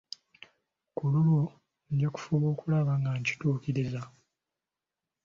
Ku lulwo nja kufuba okulaba nga nkituukiriza.